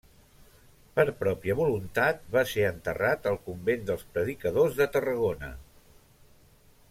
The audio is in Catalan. Per pròpia voluntat va ser enterrat al convent dels predicadors de Tarragona.